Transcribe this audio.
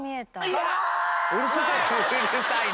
うるさい！